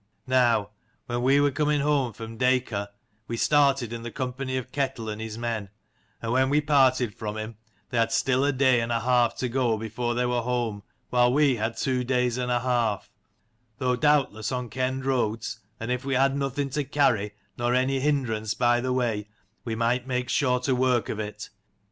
Now, when we were coming home from Dacor, we started in the company of Ketel and his men, and when we parted from him they had still a day and a half to go before they were home, while we had two days and a half: though doubtless on kenned roads, and if we had nothing to carry 77 nor any hindrance by the way, we might make shorter work of it.